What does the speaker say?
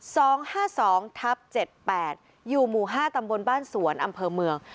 สองห้าสองทับเจ็ดแปดอยู่หมู่ห้าตำบลบ้านสวนอำเภอเมือง